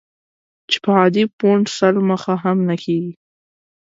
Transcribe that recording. چې په عادي فونټ سل مخه هم نه کېږي.